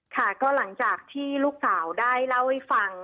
ค่ะก็หลังจากที่ลูกสาวได้เล่าให้ฟัง